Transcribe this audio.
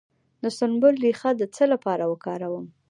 د سنبل ریښه د څه لپاره وکاروم؟